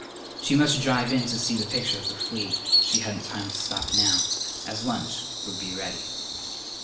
She must drive in to see the picture of the fleet. She hadn't time to stop now, as lunch would be ready.